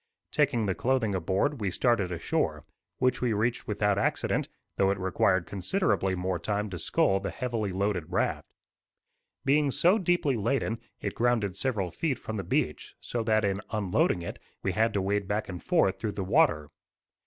Taking the clothing aboard we started ashore, which we reached without accident, though it required considerably more time to scull the heavily loaded raft. Being so deeply laden, it grounded several feet from the beach, so that in unloading it, we had to wade back and forth through the water.